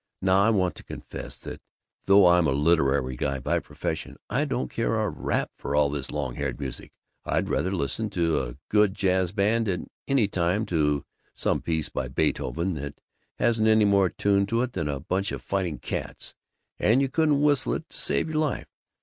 Now, I want to confess that, though I'm a literary guy by profession, I don't care a rap for all this long haired music. I'd rather listen to a good jazz band any time than to some piece by Beethoven that hasn't any more tune to it than a bunch of fighting cats, and you couldn't whistle it to save your life!